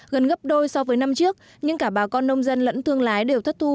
gần gấp đôi so với năm trước nhưng cả bà con nông dân lẫn thương lái đều thất thu